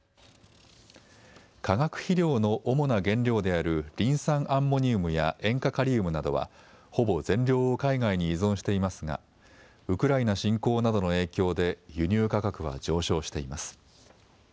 化学肥料の主な原料であるリン酸アンモニウムや塩化カリウムなどは、ほぼ全量を海外に依存していますがウクライナ侵攻などの影響で輸入価格は上昇しています。